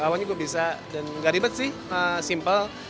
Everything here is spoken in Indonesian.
awalnya gue bisa dan nggak ribet sih simple